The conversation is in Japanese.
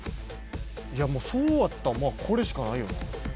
そうやったらこれしかないよな。